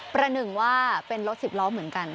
ประหนึ่งว่าเป็นรถสิบล้อเหมือนกัน